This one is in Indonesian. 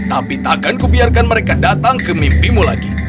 tapi takkan ku biarkan mereka datang ke mimpimu lagi